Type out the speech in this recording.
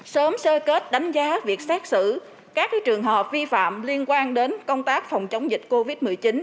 sớm sơ kết đánh giá việc xét xử các trường hợp vi phạm liên quan đến công tác phòng chống dịch covid một mươi chín